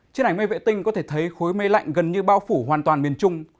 trên ảnh mây vệ tinh có thể thấy khối mây lạnh gần như bao phủ hoàn toàn miền trung